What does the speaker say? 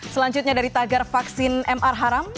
selanjutnya dari tagar vaksin mr haram